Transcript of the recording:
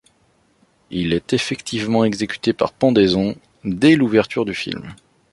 Il est effectivement exécuté par pendaison dès l'ouverture du film.